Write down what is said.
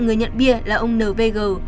người nhận bia là ông n v g